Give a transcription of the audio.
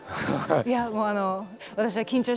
いやもうあの私は緊張してます。